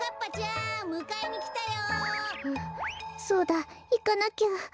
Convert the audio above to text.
んっそうだいかなきゃ。